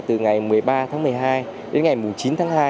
từ ngày một mươi ba tháng một mươi hai đến ngày chín tháng hai